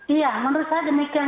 iya menurut saya demikian